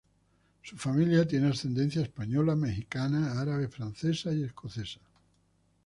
Su familia tiene ascendencia española, mexicana, árabe, francesa y escocesa.